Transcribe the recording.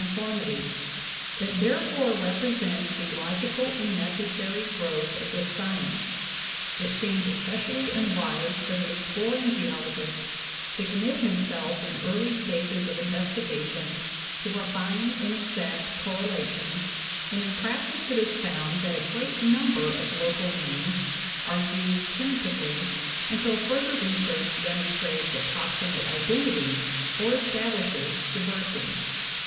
VIII formity; it therefore represents the logical and necessary growth of the science. ... It seems especially unwise for the exploring geologist to commit himself in early stages of investigation to refined and exact correlations, and in practice it is found that a great number of local names are used tenta tively until further research demonstrates approximate identity or establishes diversity."